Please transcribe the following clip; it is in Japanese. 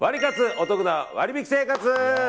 おトクな割引生活。